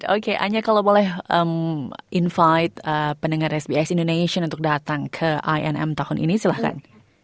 oke hanya kalau boleh invite pendengar sbs indonesia untuk datang ke inm tahun ini silahkan